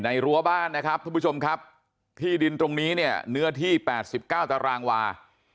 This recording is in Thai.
ในรั้วบ้านนะครับทุกมือชมครับที่ดินตรงนี้เนื้อที่แปดสิบเก้าตรางวา